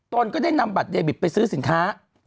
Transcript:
ตนก็ได้นำบัตรเดบิตไปซื้อสินค้า